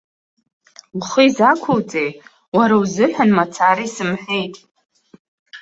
Ухы изақәуҵеи, уара узыҳәан мацара исымҳәеит.